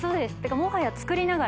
もはや作りながら。